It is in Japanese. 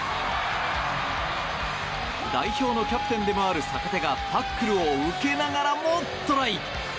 代表のキャプテンでもある坂手がタックルを受けながらもトライ！